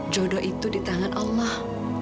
jodoh itu di tangan allah